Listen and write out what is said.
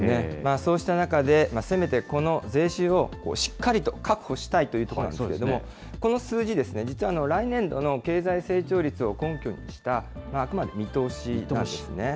そうした中で、せめてこの税収をしっかりと確保したいということなんですけれども、この数字、実は来年度の経済成長率を根拠にした、あくまでも見通しなんですね。